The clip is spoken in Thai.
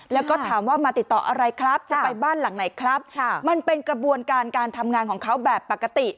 แล้วก็ถามว่ามาติดต่ออะไรครับจะไปบ้านหลังไหนครับมันเป็นกระบวนการการทำงานของเขาแบบปกติ